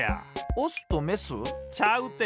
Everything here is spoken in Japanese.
オスとメス？ちゃうって。